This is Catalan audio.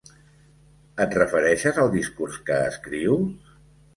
Et refereixes al discurs que escrius?